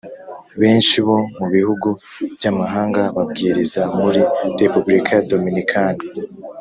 benshi bo mu bihugu by amahanga babwiriza muri Repubulika ya Dominikani